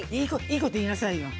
いいこと言いなさいよ。